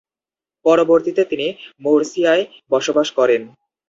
পরবর্তীতে তিনি মুরসিয়ায় বসবাস করেন।